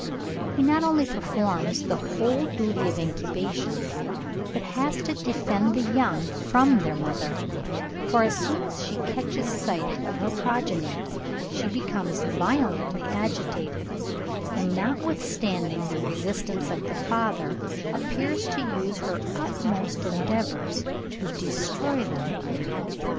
He not only performs the whole duty of incubation, but has to defend the young from their mother; "for as soon as she catches sight of her progeny she becomes violently agitated, and notwithstanding the resistance of the father appears to use her utmost endeavours to destroy them.